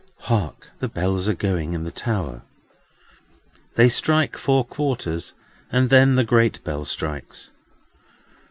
"Hark! The bells are going in the Tower!" They strike four quarters, and then the great bell strikes.